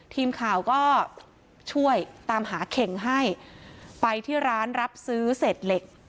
ทีมข่าวก็ช่วยตามหาเข่งให้ไปที่ร้านรับซื้อเศษเหล็ก